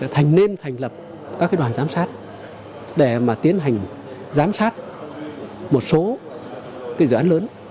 thành nên thành lập các đoàn giám sát để mà tiến hành giám sát một số dự án lớn